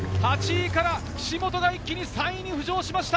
８位から岸本が一気に３位に浮上しました。